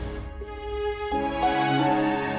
sebelum kamu datang